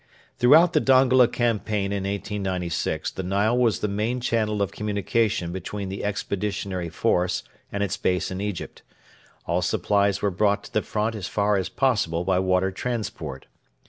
Throughout the Dongola campaign in 1896 the Nile was the main channel of communication between the Expeditionary Force and its base in Egypt. All supplies were brought to the front as far as possible by water transport.